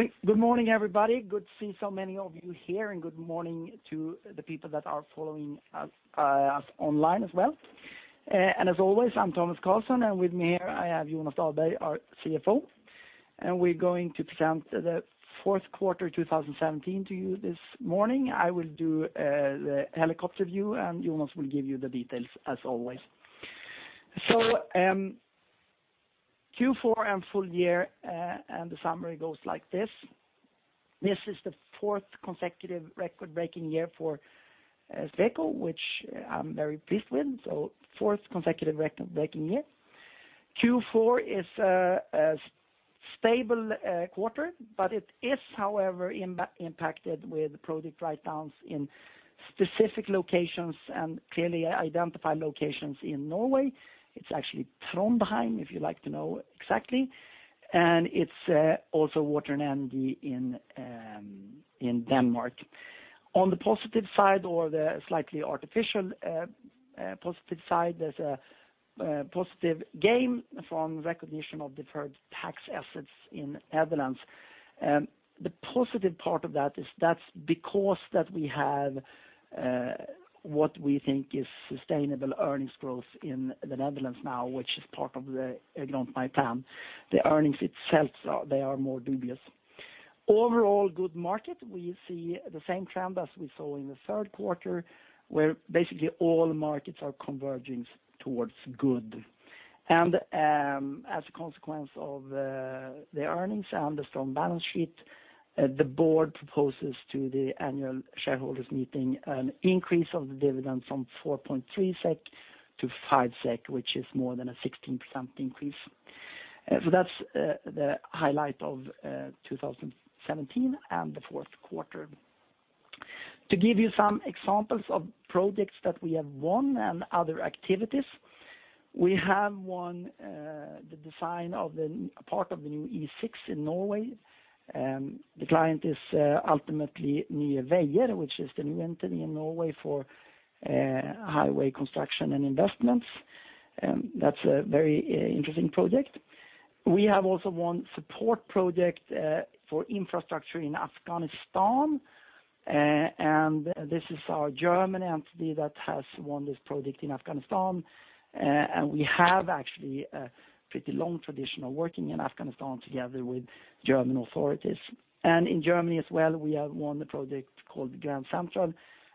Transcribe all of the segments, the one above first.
Good morning, good morning, everybody. Good to see so many of you here, and good morning to the people that are following us online as well. And as always, I'm Tomas Carlsson, and with me here, I have Jonas Dahlberg, our CFO, and we're going to present the fourth quarter 2017 to you this morning. I will do the helicopter view, and Jonas will give you the details, as always. So, Q4 and full year, and the summary goes like this: This is the fourth consecutive record-breaking year for Sweco, which I'm very pleased with, so fourth consecutive record-breaking year. Q4 is a stable quarter, but it is, however, impacted with project writedowns in specific locations and clearly identified locations in Norway. It's actually Trondheim, if you like to know exactly, and it's also Water and Energy in Denmark. On the positive side, or the slightly artificial positive side, there's a positive gain from recognition of deferred tax assets in Netherlands. The positive part of that is that's because we have what we think is sustainable earnings growth in the Netherlands now, which is part of the growth, my plan. The earnings itself, they are more dubious. Overall, good market. We see the same trend as we saw in the third quarter, where basically all markets are converging towards good. As a consequence of the earnings and the strong balance sheet, the board proposes to the annual shareholders meeting an increase of the dividend from 4.3 SEK to 5 SEK, which is more than a 16% increase. So that's the highlight of 2017 and the fourth quarter. To give you some examples of projects that we have won and other activities, we have won the design of a part of the new E6 in Norway. The client is ultimately Nye Veier, which is the new entity in Norway for highway construction and investments, and that's a very interesting project. We have also won support project for infrastructure in Afghanistan, and this is our German entity that has won this project in Afghanistan. And we have actually a pretty long tradition of working in Afghanistan together with German authorities. And in Germany as well, we have won the project called Grand Central,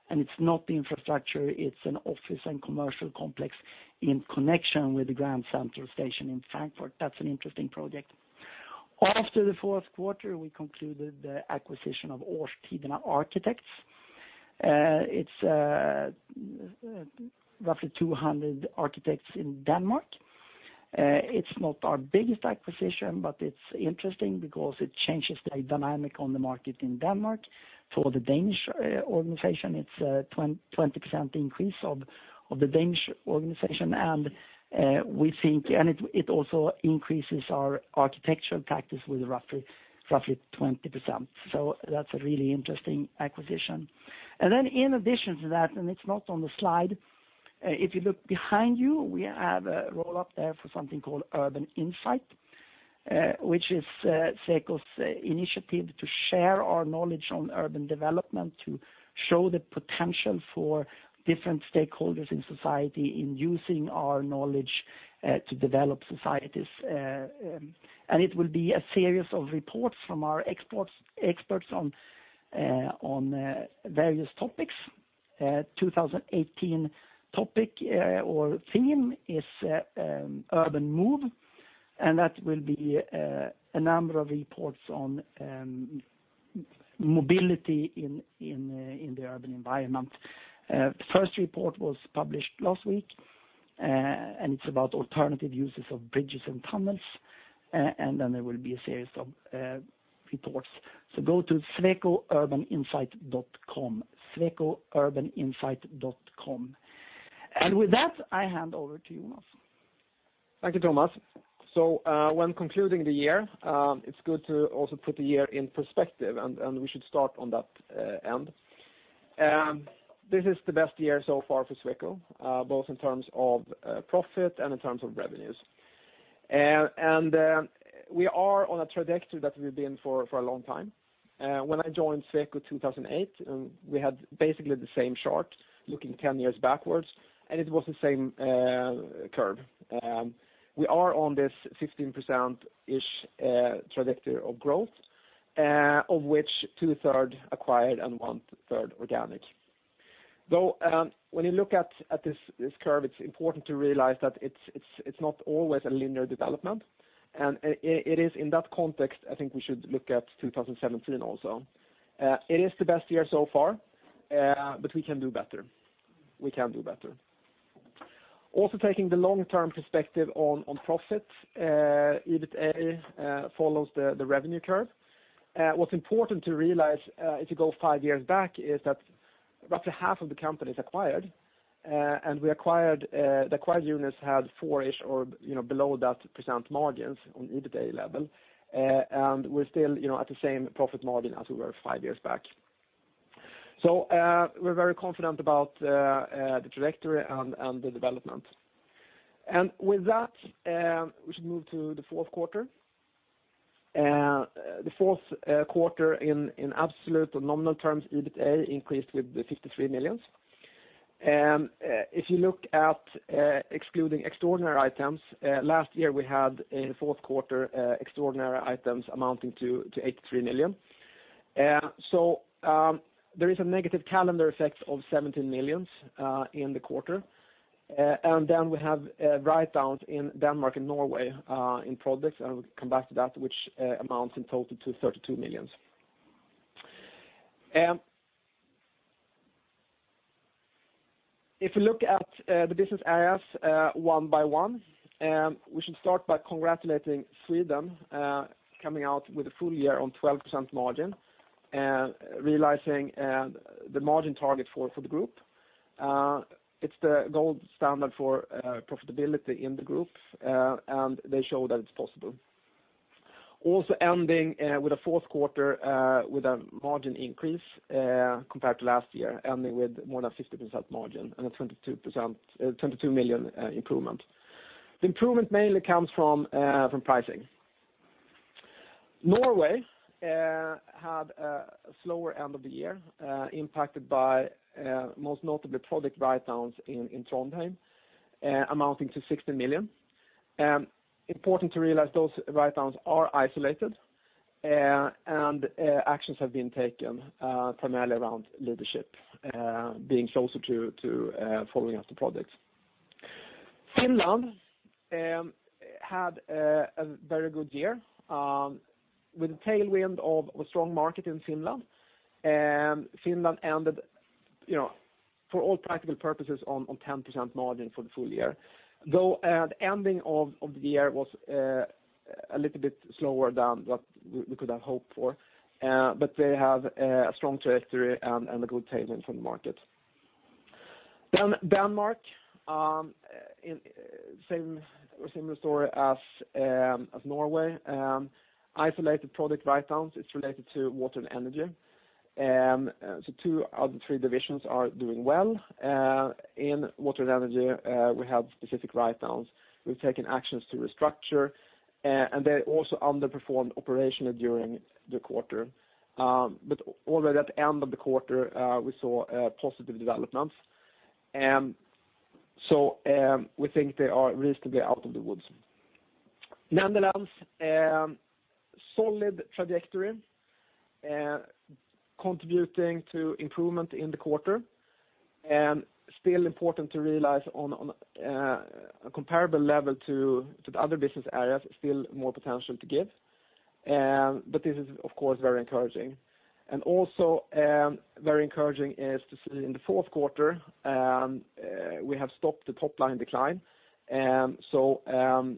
and it's not the infrastructure, it's an office and commercial complex in connection with the Grand Central Station in Frankfurt. That's an interesting project. After the fourth quarter, we concluded the acquisition of Årstiderne Arkitekter. It's roughly 200 architects in Denmark. It's not our biggest acquisition, but it's interesting because it changes the dynamic on the market in Denmark. For the Danish organization, it's a 20% increase of the Danish organization, and we think -- and it also increases our architectural practice with roughly 20%. So that's a really interesting acquisition. And then in addition to that, and it's not on the slide, if you look behind you, we have a roll-up there for something called Urban Insight, which is Sweco's initiative to share our knowledge on urban development, to show the potential for different stakeholders in society in using our knowledge to develop societies. And it will be a series of reports from our experts on various topics. 2018 topic or theme is Urban Move, and that will be a number of reports on mobility in the urban environment. The first report was published last week, and it's about alternative uses of bridges and tunnels, and then there will be a series of reports. So go to swecourbaninsight.com, swecourbaninsight.com. And with that, I hand over to you, Jonas. Thank you, Tomas. So, when concluding the year, it's good to also put the year in perspective, and we should start on that end. This is the best year so far for Sweco, both in terms of profit and in terms of revenues. And, we are on a trajectory that we've been for a long time. When I joined Sweco in 2008, we had basically the same chart looking 10 years backwards, and it was the same curve. We are on this 15%-ish trajectory of growth, of which 2/3 acquired and 1/3 organic. Though, when you look at this curve, it's important to realize that it's not always a linear development, and it is in that context, I think we should look at 2017 also. It is the best year so far, but we can do better. We can do better. Also, taking the long-term perspective on profit, EBITA follows the revenue curve. What's important to realize, if you go five years back, is that roughly half of the company is acquired, and we acquired, the acquired units had four-ish or, you know, below that percent margins on EBITA level. And we're still, you know, at the same profit margin as we were five years back.... So, we're very confident about the trajectory and the development. With that, we should move to the fourth quarter. The fourth quarter in absolute or nominal terms, EBITA increased with 53 million. If you look at excluding extraordinary items, last year, we had a fourth quarter extraordinary items amounting to 83 million. So, there is a negative calendar effect of 17 million in the quarter. And then we have write-downs in Denmark and Norway in projects, and we'll come back to that, which amounts in total to 32 million. If you look at the business areas one by one, we should start by congratulating Sweden coming out with a full year on 12% margin, realizing the margin target for the group. It's the gold standard for profitability in the group, and they show that it's possible. Also ending with a fourth quarter with a margin increase compared to last year, ending with more than 50% margin and a 22 million improvement. The improvement mainly comes from pricing. Norway had a slower end of the year, impacted by, most notably, project writedowns in Trondheim, amounting to 60 million. Important to realize those writedowns are isolated, and actions have been taken, primarily around leadership, being closer to following up the projects. Finland had a very good year, with a tailwind of a strong market in Finland. Finland ended, you know, for all practical purposes, on 10% margin for the full year, though the ending of the year was a little bit slower than what we could have hoped for. But they have a strong trajectory and a good tailwind from the market. Denmark, in the same, a similar story as Norway. Isolated product writedowns, it's related to water and energy. So two out of the three divisions are doing well. In water and energy, we have specific writedowns. We've taken actions to restructure, and they also underperformed operationally during the quarter. But already at the end of the quarter, we saw positive developments, and so we think they are reasonably out of the woods. Netherlands, solid trajectory, contributing to improvement in the quarter, still important to realize on a comparable level to the other business areas, still more potential to give. But this is, of course, very encouraging. And also, very encouraging is to see in the fourth quarter, we have stopped the top line decline. So,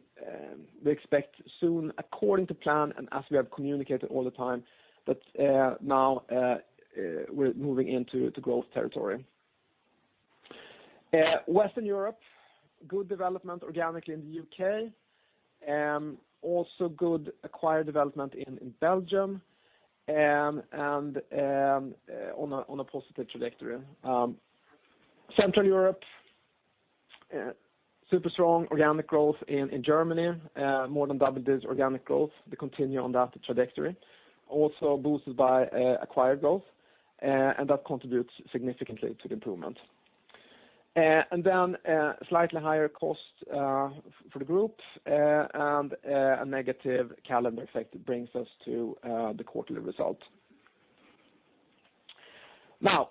we expect soon, according to plan and as we have communicated all the time, that now we're moving into the growth territory. Western Europe, good development organically in the U.K., also good acquired development in Belgium, and on a positive trajectory. Central Europe, super strong organic growth in Germany, more than doubled its organic growth. They continue on that trajectory, also boosted by acquired growth, and that contributes significantly to the improvement. And then, slightly higher cost for the group, and a negative calendar effect brings us to the quarterly result. Now,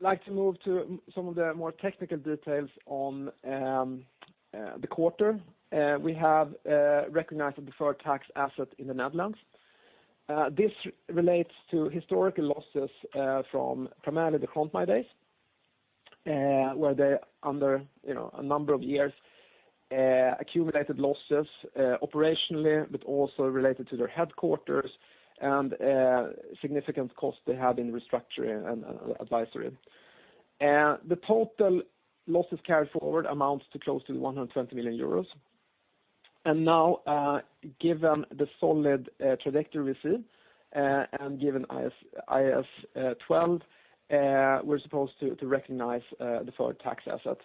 I'd like to move to some of the more technical details on the quarter. We have recognized a deferred tax asset in the Netherlands. This relates to historical losses from primarily the Grontmij days, where they under, you know, a number of years, accumulated losses operationally, but also related to their headquarters, and significant costs they had in restructuring and advisory. The total losses carried forward amounts to close to 120 million euros. And now, given the solid trajectory we see, and given IAS 12, we're supposed to recognize deferred tax assets.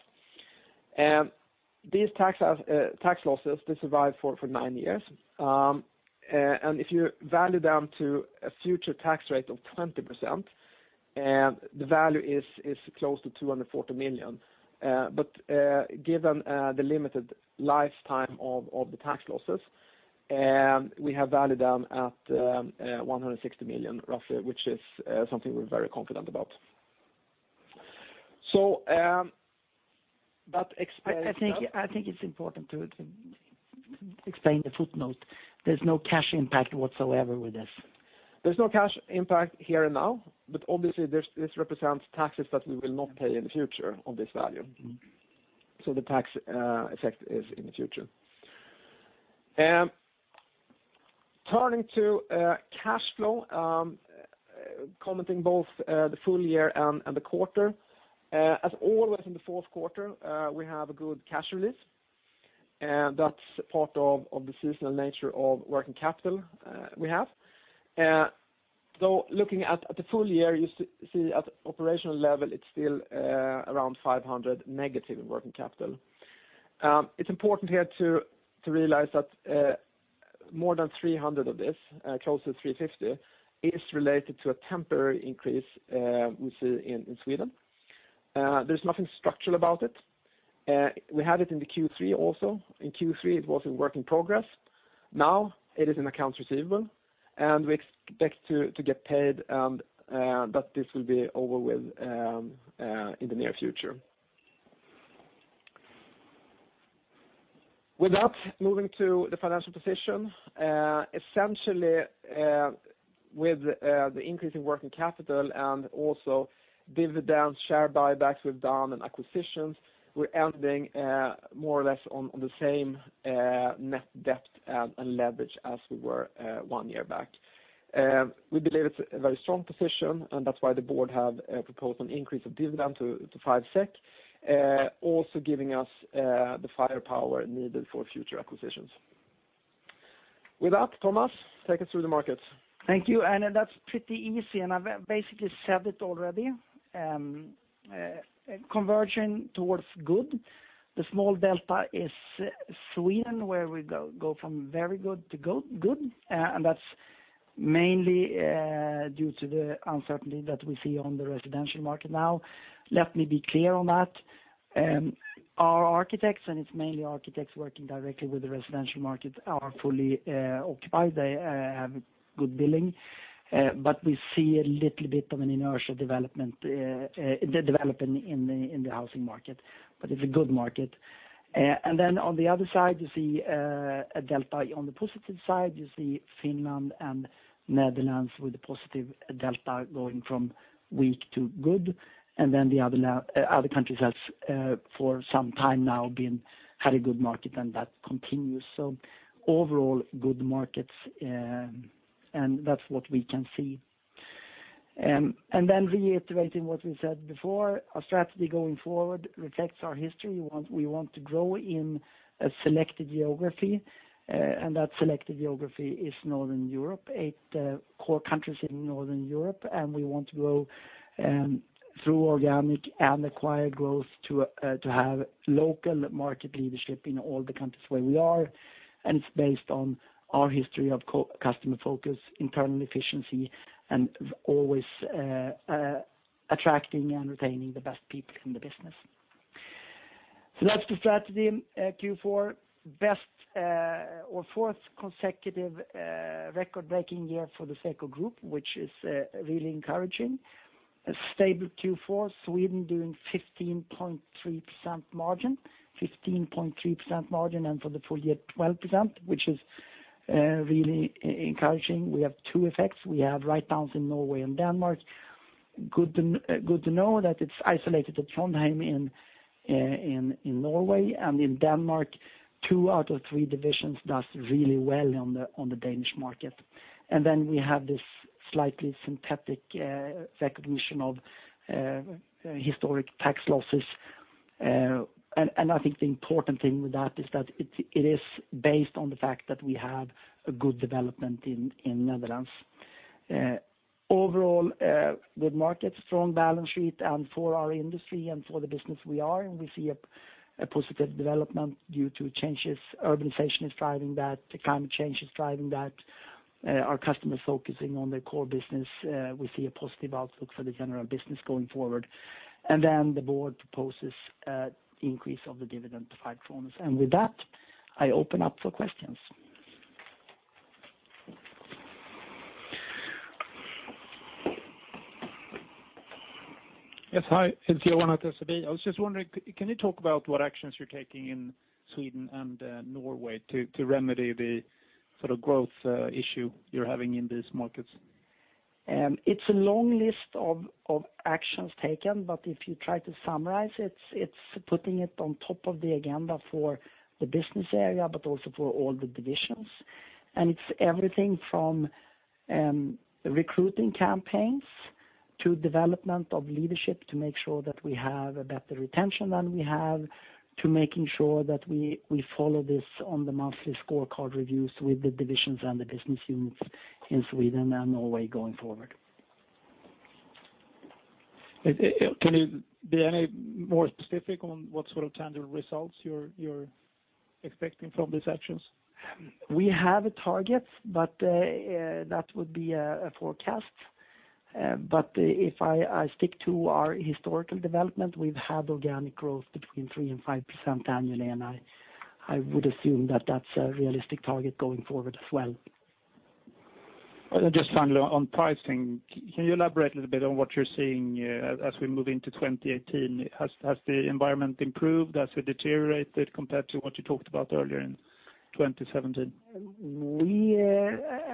These tax losses, they survive for nine years. And if you value them to a future tax rate of 20%, the value is close to 240 million. But given the limited lifetime of the tax losses, we have valued them at 160 million, roughly, which is something we're very confident about. So, that explains- I think it's important to explain the footnote. There's no cash impact whatsoever with this. There's no cash impact here and now, but obviously, this, this represents taxes that we will not pay in the future on this value. Mm-hmm. The tax effect is in the future. Turning to cash flow, commenting both the full year and the quarter. As always, in the fourth quarter, we have a good cash release. That's part of the seasonal nature of working capital we have. Looking at the full year, you see at operational level, it's still around 500 million negative in working capital. It's important here to realize that more than 300 million, closer to 350 million, is related to a temporary increase we see in Sweden. There's nothing structural about it. We had it in Q3 also. In Q3, it was a work in progress. Now, it is an accounts receivable, and we expect to get paid, and that this will be over with in the near future. With that, moving to the financial position, essentially, with the increase in working capital and also dividend share buybacks we've done, and acquisitions, we're ending more or less on the same net debt and leverage as we were one year back. We believe it's a very strong position, and that's why the board have proposed an increase of dividend to 5 SEK, also giving us the firepower needed for future acquisitions. With that, Tomas, take us through the markets. Thank you, and that's pretty easy, and I've basically said it already. Conversion towards good. The small delta is Sweden, where we go from very good to good, and that's mainly due to the uncertainty that we see on the residential market now. Let me be clear on that. Our architects, and it's mainly architects working directly with the residential market, are fully occupied. They have good billing, but we see a little bit of an inertia development, the development in the housing market, but it's a good market. And then on the other side, you see a delta on the positive side. You see Finland and Netherlands with a positive delta going from weak to good. And then the other countries has, for some time now, been had a good market, and that continues. So overall, good markets, and that's what we can see. And then reiterating what we said before, our strategy going forward reflects our history. We want, we want to grow in a selected geography, and that selected geography is Northern Europe, eight core countries in Northern Europe. And we want to grow, through organic and acquired growth to, to have local market leadership in all the countries where we are. And it's based on our history of customer focus, internal efficiency, and always, attracting and retaining the best people in the business. So that's the strategy. Q4, best, or fourth consecutive, record-breaking year for the Sweco Group, which is, really encouraging. A stable Q4, Sweden doing 15.3% margin, 15.3% margin, and for the full year, 12%, which is really encouraging. We have two effects. We have write-downs in Norway and Denmark. Good to know that it's isolated at Trondheim in Norway, and in Denmark, two out of three divisions does really well on the Danish market. And then we have this slightly synthetic recognition of historic tax losses. And I think the important thing with that is that it is based on the fact that we have a good development in Netherlands. Overall, good market, strong balance sheet, and for our industry and for the business we are, and we see a positive development due to changes. Urbanization is driving that, the climate change is driving that, our customers focusing on their core business. We see a positive outlook for the general business going forward. Then the board proposes increase of the dividend to 5. With that, I open up for questions. Yes, hi, it's Johan at SEB. I was just wondering, can you talk about what actions you're taking in Sweden and Norway to remedy the sort of growth issue you're having in these markets? It's a long list of actions taken, but if you try to summarize it, it's putting it on top of the agenda for the business area, but also for all the divisions. It's everything from recruiting campaigns to development of leadership, to make sure that we have a better retention than we have, to making sure that we follow this on the monthly scorecard reviews with the divisions and the business units in Sweden and Norway going forward. Can you be any more specific on what sort of tangible results you're expecting from these actions? We have a target, but that would be a forecast. But if I stick to our historical development, we've had organic growth between 3%-5% annually, and I would assume that that's a realistic target going forward as well. Just finally, on pricing, can you elaborate a little bit on what you're seeing as we move into 2018? Has the environment improved, has it deteriorated compared to what you talked about earlier in 2017? We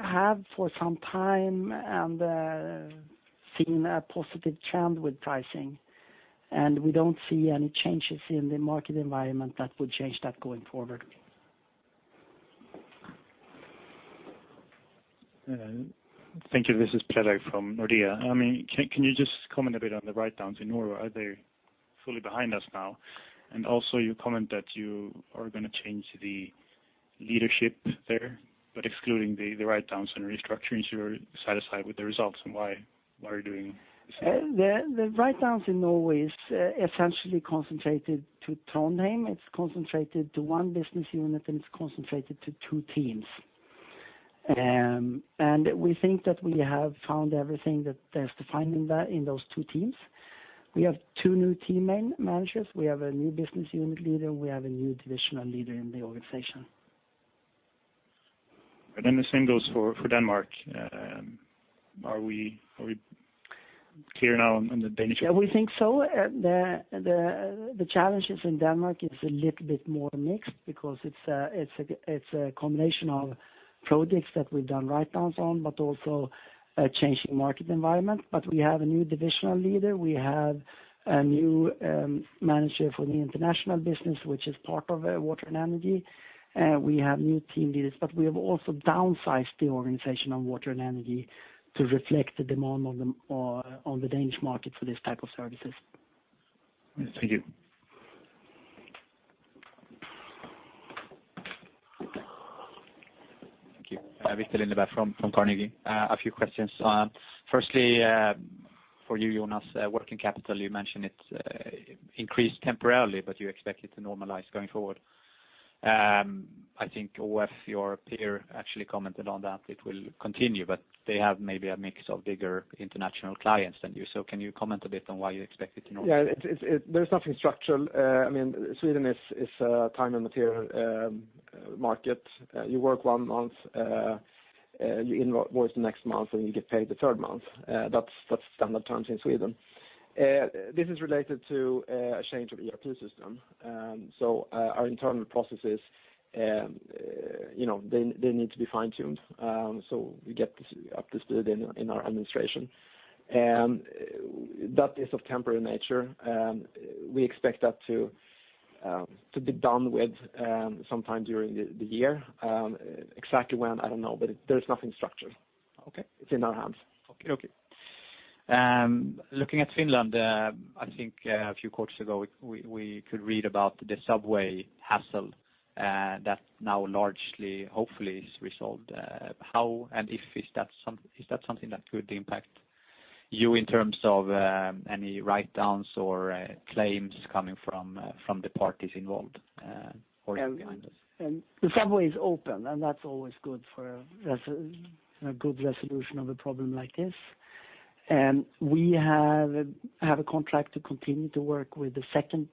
have for some time seen a positive trend with pricing, and we don't see any changes in the market environment that would change that going forward.... Thank you. This is Pedro from Nordea. I mean, can you just comment a bit on the writedowns in Norway? Are they fully behind us now? And also you comment that you are gonna change the leadership there, but excluding the writedowns and restructurings, you are satisfied with the results, and why are you doing this? The writedowns in Norway is essentially concentrated to Trondheim. It's concentrated to one business unit, and it's concentrated to two teams. We think that we have found everything that there's to find in that, in those two teams. We have two new team managers, we have a new business unit leader, and we have a new divisional leader in the organization. Then the same goes for Denmark. Are we clear now on the Danish? Yeah, we think so. The challenges in Denmark is a little bit more mixed because it's a combination of projects that we've done writedowns on, but also a changing market environment. But we have a new divisional leader. We have a new manager for the international business, which is part of Water and Energy. We have new team leaders, but we have also downsized the organization on Water and Energy to reflect the demand on the Danish market for this type of services. Thank you. Thank you. Viktor Lindeberg from Carnegie. A few questions. Firstly, for you, Jonas, working capital, you mentioned it increased temporarily, but you expect it to normalize going forward. I think [OF], your peer, actually commented on that it will continue, but they have maybe a mix of bigger international clients than you. So can you comment a bit on why you expect it to normalize? Yeah, there's nothing structural. I mean, Sweden is a time and material market. You work one month, you invoice the next month, and you get paid the third month. That's standard terms in Sweden. This is related to a change of ERP system. So, our internal processes, you know, they need to be fine-tuned, so we get this up to speed in our administration. And that is of temporary nature, and we expect that to be done with sometime during the year. Exactly when, I don't know, but there's nothing structural. Okay. It's in our hands. Okay, okay. Looking at Finland, I think a few quarters ago, we could read about the subway hassle that now largely, hopefully, is resolved. How, and if, is that something that could impact you in terms of any writedowns or claims coming from the parties involved or behind us? The subway is open, and that's always good for a good resolution of a problem like this. And we have a contract to continue to work with the second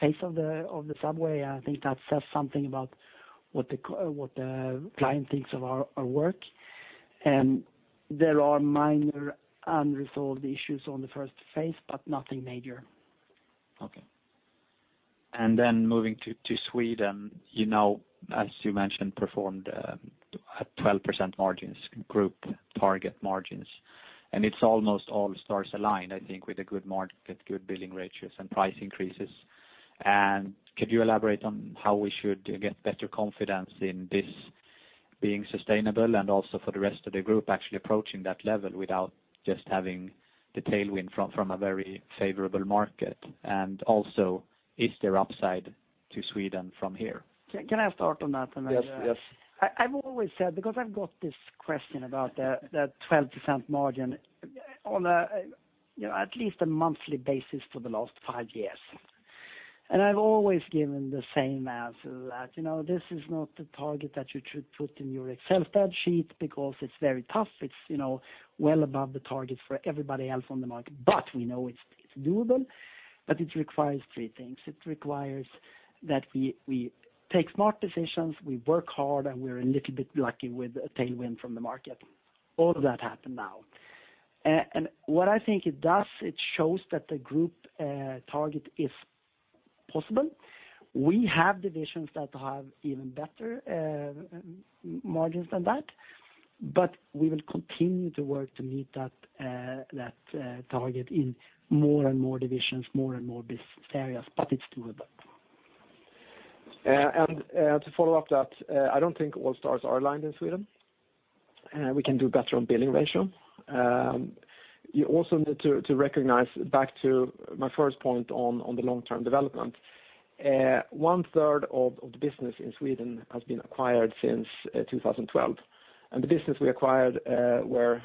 phase of the subway. I think that says something about what the client thinks of our work. And there are minor unresolved issues on the first phase, but nothing major. Okay. And then moving to Sweden, you know, as you mentioned, performed at 12% margins, group target margins, and it's almost all stars aligned, I think, with a good market, good billing ratios and price increases. And could you elaborate on how we should get better confidence in this being sustainable, and also for the rest of the group actually approaching that level without just having the tailwind from a very favorable market? And also, is there upside to Sweden from here? Can I start on that? And then- Yes, yes. I've always said, because I've got this question about the 12% margin on a, you know, at least a monthly basis for the last five years. And I've always given the same answer, that, you know, this is not the target that you should put in your Excel spreadsheet because it's very tough. It's, you know, well above the target for everybody else on the market, but we know it's doable, but it requires three things. It requires that we take smart decisions, we work hard, and we're a little bit lucky with a tailwind from the market. All of that happened now. And what I think it does, it shows that the group target is possible. We have divisions that have even better margins than that, but we will continue to work to meet that target in more and more divisions, more and more business areas, but it's doable. To follow up that, I don't think all stars are aligned in Sweden. We can do better on billing ratio. You also need to recognize, back to my first point on the long-term development, 1/3 of the business in Sweden has been acquired since 2012. And the business we acquired were,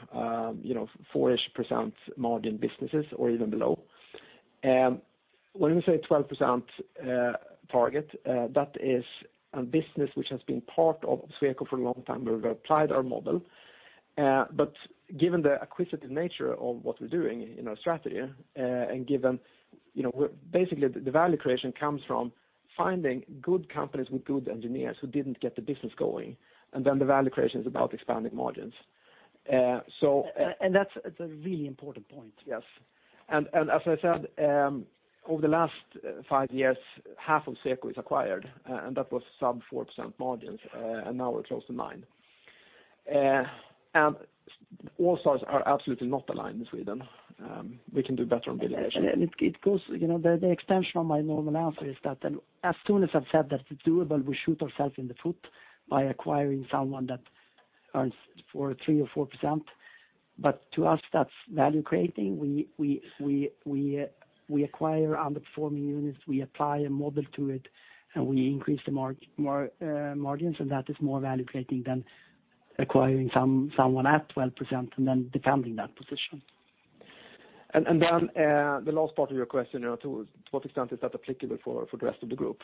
you know, 4-ish% margin businesses or even below. When we say 12% target, that is a business which has been part of Sweco for a long time, where we've applied our model. But given the acquisitive nature of what we're doing in our strategy, and given, you know, basically, the value creation comes from finding good companies with good engineers who didn't get the business going, and then the value creation is about expanding margins. Uh, so- That's a really important point. Yes. And, and as I said, over the last five years, half of Sweco is acquired, and that was sub 4% margins, and now we're close to 9%. And all stars are absolutely not aligned in Sweden. We can do better on billing ratio. It goes, you know, the extension of my normal answer is that then as soon as I've said that it's doable, we shoot ourselves in the foot by acquiring someone that earns 3%-4%. But to us, that's value creating. We acquire underperforming units, we apply a model to it, and we increase the margins, and that is more value creating than acquiring someone at 12% and then defending that position. Then, the last part of your question, you know, to what extent is that applicable for the rest of the group?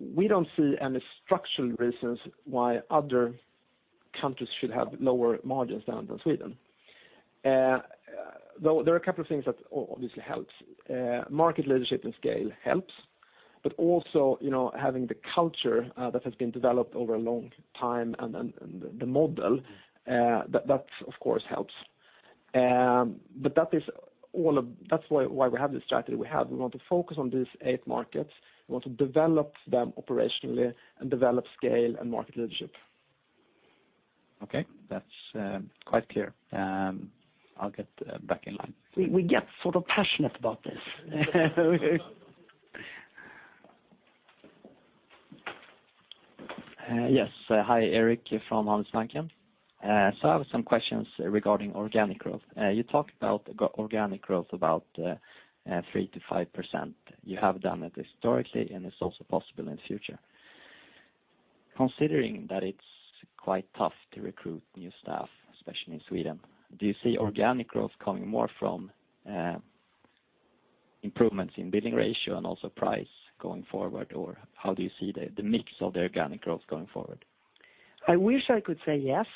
We don't see any structural reasons why other countries should have lower margins than Sweden. Though there are a couple of things that obviously helps. Market leadership and scale helps, but also, you know, having the culture that has been developed over a long time and the model that of course helps. But that's why we have the strategy we have. We want to focus on these eight markets. We want to develop them operationally and develop scale and market leadership. Okay, that's quite clear. I'll get back in line. We get sort of passionate about this. Yes. Hi, Eric from Handelsbanken. So I have some questions regarding organic growth. You talked about organic growth about 3%-5%. You have done it historically, and it's also possible in the future. Considering that it's quite tough to recruit new staff, especially in Sweden, do you see organic growth coming more from improvements in billing ratio and also price going forward? Or how do you see the mix of the organic growth going forward? I wish I could say yes.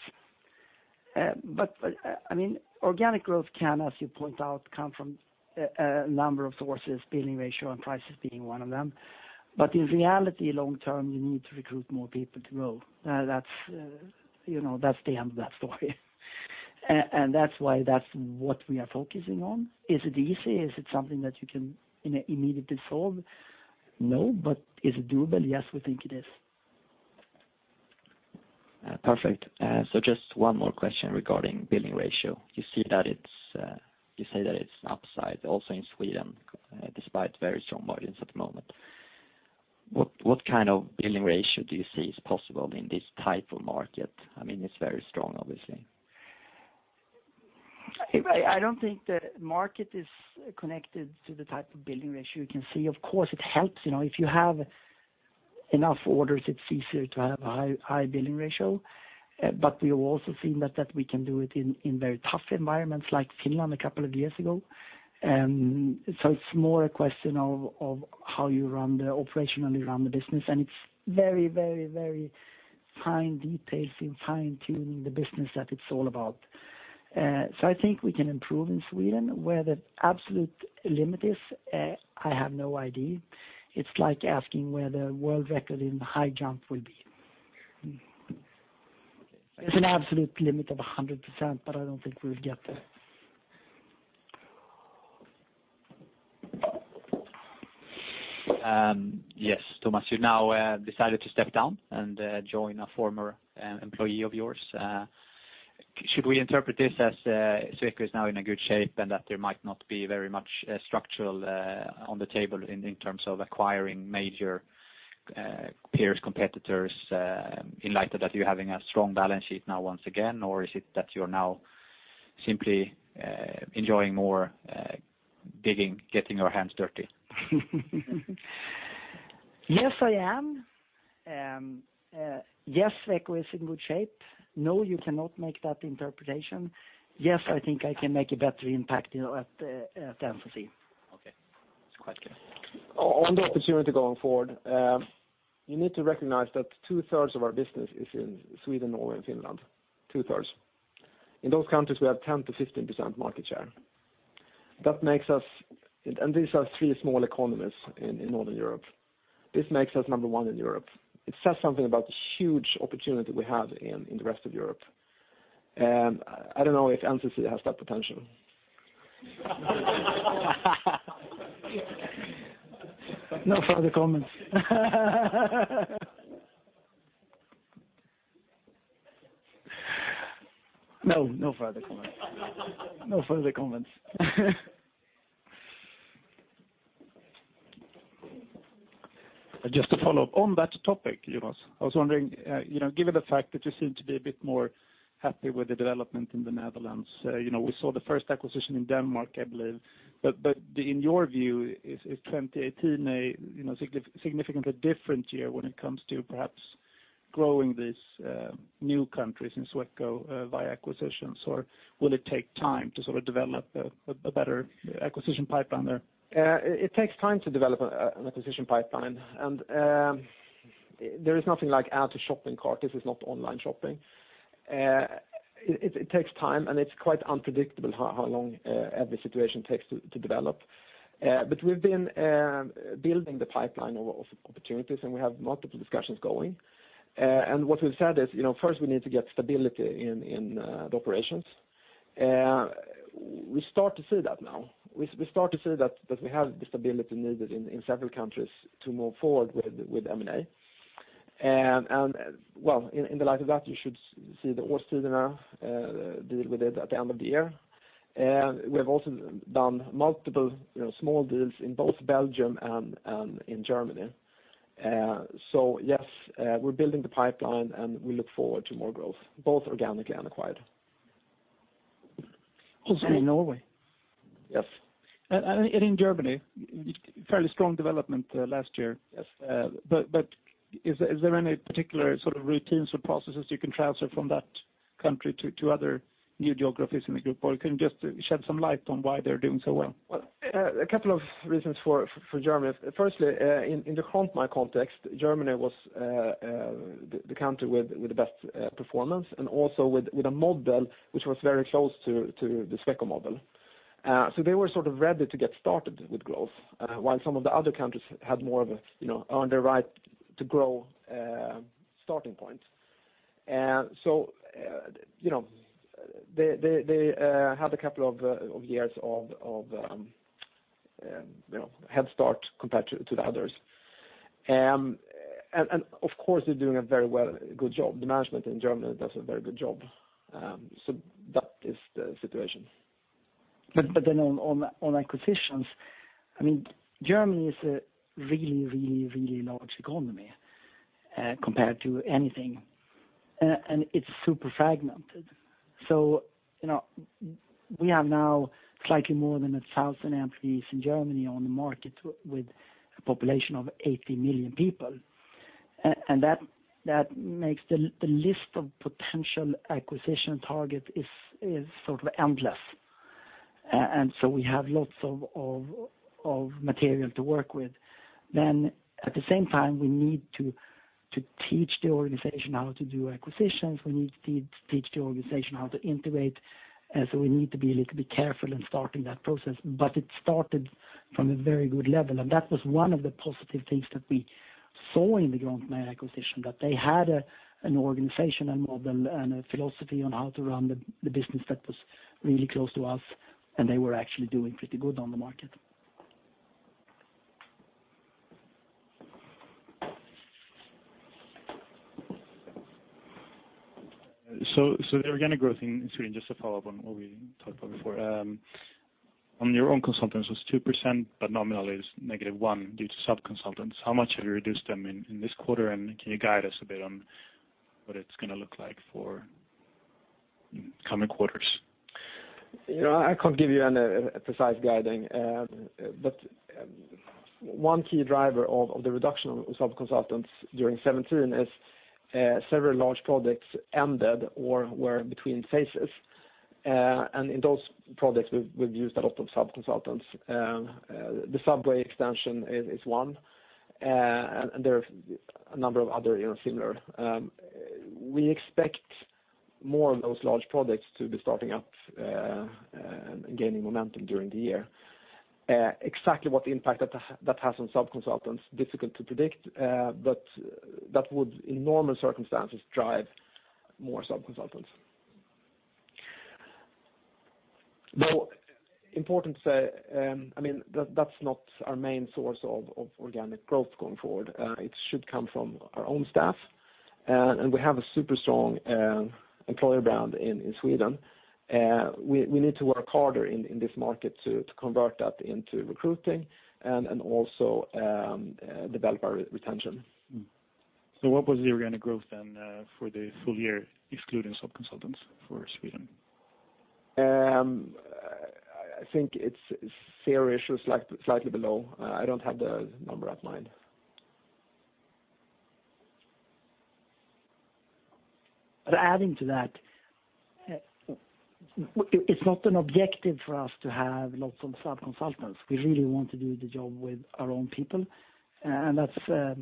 But, I mean, organic growth can, as you point out, come from a number of sources, billing ratio and prices being one of them. But in reality, long term, you need to recruit more people to grow. That's, you know, that's the end of that story. And that's why that's what we are focusing on. Is it easy? Is it something that you can immediately solve? No. But is it doable? Yes, we think it is. Perfect. So just one more question regarding billing ratio. You see that it's you say that it's upside also in Sweden despite very strong margins at the moment. What kind of billing ratio do you see is possible in this type of market? I mean, it's very strong, obviously. I don't think the market is connected to the type of billing ratio you can see. Of course, it helps, you know, if you have enough orders, it's easier to have a high billing ratio. But we've also seen that we can do it in very tough environments like Finland a couple of years ago. So it's more a question of how you operationally run the business, and it's very fine details in fine-tuning the business that it's all about. So I think we can improve in Sweden. Where the absolute limit is, I have no idea. It's like asking where the world record in high jump will be. There's an absolute limit of 100%, but I don't think we'll get there. Yes, Tomas, you know, decided to step down and join a former employee of yours. Should we interpret this as Sweco is now in a good shape, and that there might not be very much structural on the table in terms of acquiring major peers, competitors, in light of that you're having a strong balance sheet now once again? Or is it that you're now simply enjoying more digging, getting your hands dirty? Yes, I am. Yes, Sweco is in good shape. No, you cannot make that interpretation. Yes, I think I can make a better impact, you know, at NCC. Okay, it's quite clear. On the opportunity going forward, you need to recognize that2/3 of our business is in Sweden, Norway, and Finland. Two thirds. In those countries, we have 10%-15% market share. That makes us... And these are three small economies in Northern Europe. This makes us number one in Europe. It says something about the huge opportunity we have in the rest of Europe. I don't know if NCC has that potential. No further comments. No, no further comments. No further comments. Just to follow up on that topic, Jonas, I was wondering, you know, given the fact that you seem to be a bit more happy with the development in the Netherlands, you know, we saw the first acquisition in Denmark, I believe. But in your view, is 2018 a, you know, significantly different year when it comes to perhaps growing these new countries in Sweco via acquisitions? Or will it take time to sort of develop a better acquisition pipeline there? It takes time to develop an acquisition pipeline, and there is nothing like add to shopping cart. This is not online shopping. It takes time, and it's quite unpredictable how long every situation takes to develop. But we've been building the pipeline of opportunities, and we have multiple discussions going. And what we've said is, you know, first we need to get stability in the operations. We start to see that now. We start to see that we have the stability needed in several countries to move forward with M&A. And well, in the light of that, you should see the Årstiderne deal with it at the end of the year. And we have also done multiple, you know, small deals in both Belgium and in Germany. So yes, we're building the pipeline, and we look forward to more growth, both organically and acquired. Also in Norway. Yes. And in Germany, fairly strong development last year. Yes. But is there any particular sort of routines or processes you can transfer from that country to other new geographies in the group? Or can you just shed some light on why they're doing so well? Well, a couple of reasons for Germany. Firstly, in the Grontmij context, Germany was the country with the best performance, and also with a model which was very close to the Sweco model. So they were sort of ready to get started with growth, while some of the other countries had more of a, you know, earned the right to grow starting point. So, you know, they had a couple of years of, you know, head start compared to the others. And, of course, they're doing a very good job. The management in Germany does a very good job. So that is the situation. But then on acquisitions, I mean, Germany is a really, really, really large economy, compared to anything, and it's super fragmented. So, you know, we have now slightly more than 1,000 employees in Germany on the market with a population of 80 million people. And that makes the list of potential acquisition targets is sort of endless. And so we have lots of material to work with. Then, at the same time, we need to teach the organization how to do acquisitions, we need to teach the organization how to integrate, so we need to be a little bit careful in starting that process. But it started from a very good level, and that was one of the positive things that we saw in the Grontmij acquisition, that they had an organization, a model, and a philosophy on how to run the business that was really close to us, and they were actually doing pretty good on the market. So the organic growth in Sweden, just to follow up on what we talked about before. On your own consultants, was 2%, but nominally it's -1% due to sub-consultants. How much have you reduced them in this quarter, and can you guide us a bit on what it's gonna look like for coming quarters? You know, I can't give you any precise guiding, but one key driver of the reduction of sub-consultants during 2017 is several large projects ended or were between phases. And in those projects, we've used a lot of sub-consultants. The subway extension is one, and there are a number of other, you know, similar. We expect more of those large projects to be starting up and gaining momentum during the year. Exactly what impact that has on sub-consultants, difficult to predict, but that would, in normal circumstances, drive more sub-consultants. Though, important to say, I mean, that's not our main source of organic growth going forward. It should come from our own staff, and we have a super strong employer brand in Sweden. We need to work harder in this market to convert that into recruiting and also develop our retention. What was the organic growth then, for the full year, excluding sub-consultants for Sweden? I think it's fair to say slightly, slightly below. I don't have the number at mind. But adding to that, it's not an objective for us to have lots of sub-consultants. We really want to do the job with our own people, and that's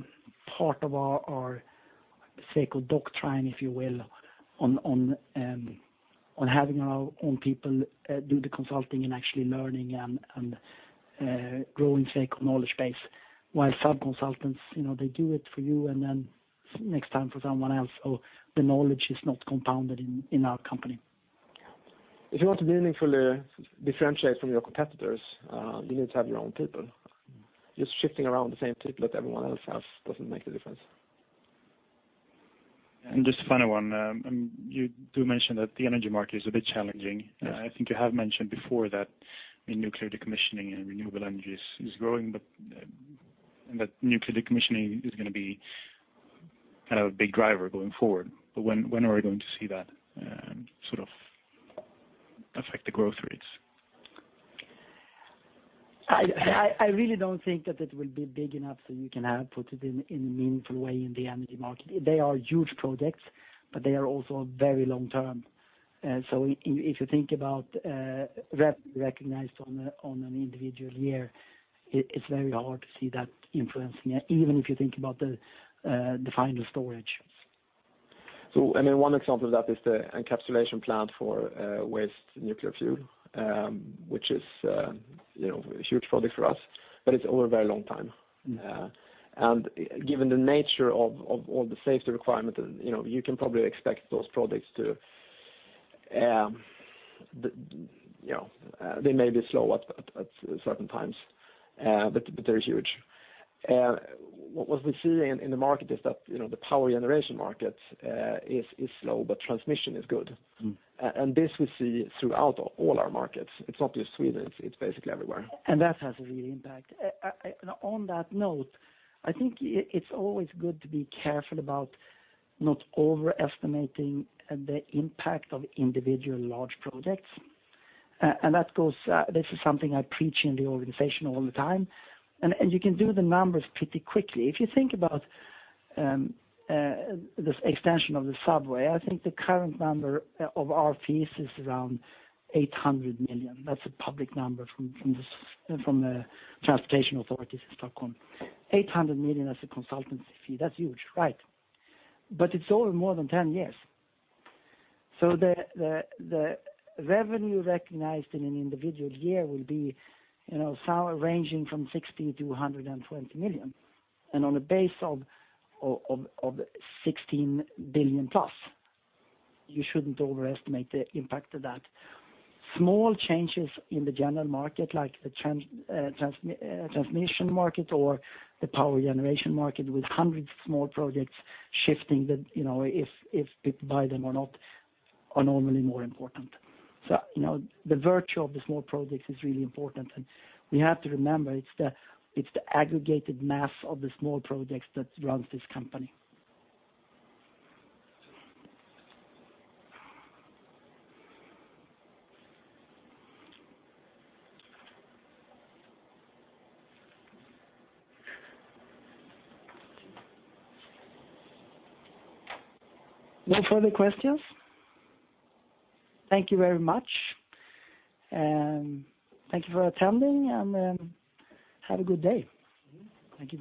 part of our Sweco doctrine, if you will, on having our own people do the consulting and actually learning and growing Sweco knowledge base. While sub-consultants, you know, they do it for you and then next time for someone else, so the knowledge is not compounded in our company. If you want to meaningfully differentiate from your competitors, you need to have your own people. Just shifting around the same people that everyone else has doesn't make a difference. Just the final one, you do mention that the energy market is a bit challenging. Yes. I think you have mentioned before that in nuclear decommissioning and renewable energies is growing, but that nuclear decommissioning is gonna be kind of a big driver going forward. But when are we going to see that sort of affect the growth rates? I really don't think that it will be big enough so you can output it in a meaningful way in the energy market. They are huge projects, but they are also very long term. So if you think about revenue recognized on a, on an individual year, it's very hard to see that influencing it, even if you think about the final storage. So, I mean, one example of that is the encapsulation plant for waste nuclear fuel, which is, you know, a huge project for us. But it's over a very long time. And given the nature of all the safety requirements, you know, you can probably expect those projects to, you know, they may be slow at certain times, but they're huge. And what we see in the market is that, you know, the power generation market is slow, but transmission is good. Mm. This we see throughout all our markets. It's not just Sweden, it's basically everywhere. And that has a real impact. On that note, I think it's always good to be careful about not overestimating the impact of individual large projects. And that goes, this is something I preach in the organization all the time, and you can do the numbers pretty quickly. If you think about this extension of the subway, I think the current number of our fees is around 800 million. That's a public number from the transportation authorities in Stockholm. 800 million as a consultancy fee, that's huge, right? But it's over more than 10 years. So the revenue recognized in an individual year will be, you know, some ranging from 60 million-120 million. And on a base of 16 billion plus, you shouldn't overestimate the impact of that. Small changes in the general market, like the transmission market or the power generation market, with hundreds of small projects shifting the, you know, if people buy them or not, are normally more important. So, you know, the virtue of the small projects is really important, and we have to remember, it's the aggregated mass of the small projects that runs this company. No further questions? Thank you very much, and thank you for attending, and, have a good day. Thank you.